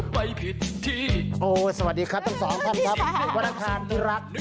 วันที่ทั้งสองครับ